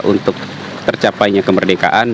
untuk tercapainya kemerdekaan